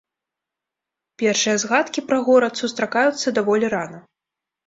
Першыя згадкі пра горад сустракаюцца даволі рана.